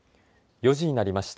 ４時になりました。